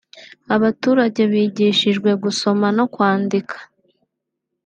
abaturage bigishijwe gusoma no kwandika